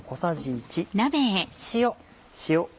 塩。